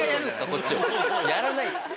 こっちをやらないっすよ！